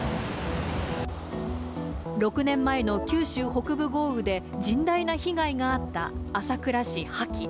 ６年前の九州北部豪雨で甚大な被害があった朝倉市杷木。